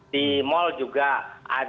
di mal juga ada